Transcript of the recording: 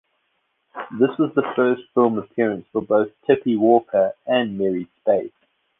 This was the first film appearance for both Tippy Walker and Merrie Spaeth.